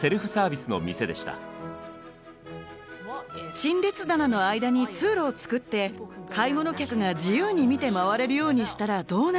陳列棚の間に通路を作って買い物客が自由に見て回れるようにしたらどうなるでしょう？